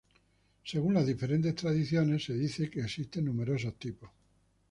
Según las diferentes tradiciones, se dice que existen numerosos tipos.